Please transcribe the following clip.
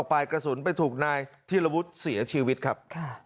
ออกไปกระสุนไปถูกนายเทียมละวุฒิเสียชีวิตครับ